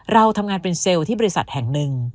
เราทำงานเป็นเซลล์ที่บริษัทแห่งหนึ่ง